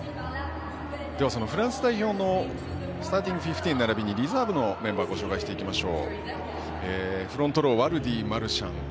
ではフランス代表スターティングフィフティーンとリザーブのメンバーをご紹介します。